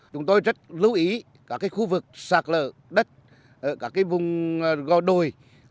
chúng tôi rất lưu ý các khu vực sạc lở đất các vùng gò đồi